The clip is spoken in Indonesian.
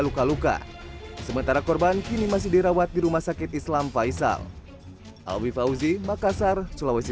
luka luka sementara korban kini masih dirawat di rumah sakit islam faisal alwi fauzi makassar sulawesi